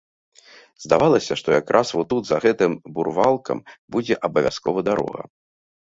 Здавалася, што якраз во тут, за гэтым бурвалкам, будзе абавязкова дарога.